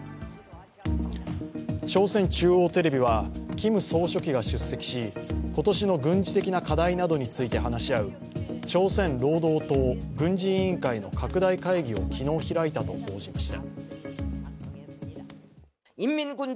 朝鮮中央テレビはキム総書記が出席し今年の軍事的な課題などについて話し合う朝鮮労働党軍事委員会の拡大会議を昨日、開いたと報じました。